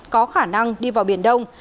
có khả năng đi vào biển đông